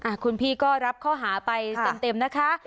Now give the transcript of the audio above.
คุณพี่ก็รับข้อหาไปเต็มนะคะ